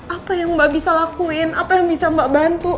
apa yang mbak bisa lakuin apa yang bisa mbak bantu